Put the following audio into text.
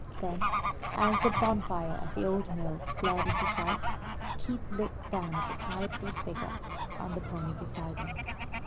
Then as the bonfire at the old mill flared into sight, Keith looked down at the tired little figure on the pony beside him.